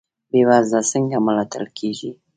بې وزله څنګه ملاتړ کیږي؟